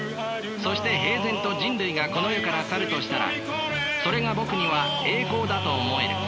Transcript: そして平然と人類がこの世から去るとしたらそれがぼくには栄光だと思える。